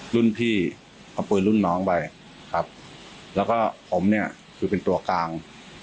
รุ่นพี่เอาปืนรุ่นน้องไปครับแล้วก็ผมเนี่ยคือเป็นตัวกลาง